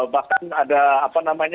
bahkan ada apa namanya